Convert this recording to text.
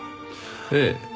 ええ。